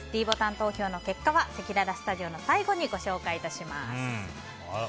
ｄボタン投票の結果はせきららスタジオの最後にご紹介致します。